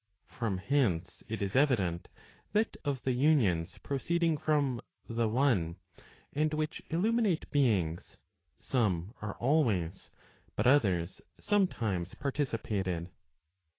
From hence it is evident that of the unions proceeding from the one , and which illuminate beings, some are always, but others sometimes partici¬ pated.